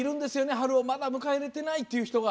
春をまだ迎えられていないっていう方が。